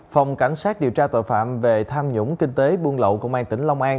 phòng cảnh sát điều tra tội phạm về tham nhũng kinh tế buôn lậu công an tỉnh long an